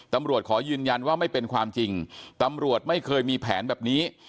ขอยืนยันว่าไม่เป็นความจริงตำรวจไม่เคยมีแผนแบบนี้